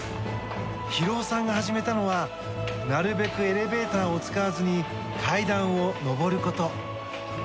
博男さんが始めたのはなるべくエレベーターを使わずに階段を上ること。